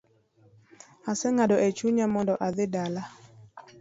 Aseng’ado echunya mondo adhi dala